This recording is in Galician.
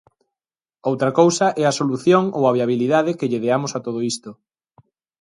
Outra cousa é a solución ou a viabilidade que lle deamos a todo isto.